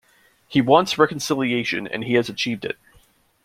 He wants reconciliation and he has achieved it.